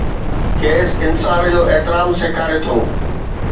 کيس انسان جو احترام سيکاري ٿو.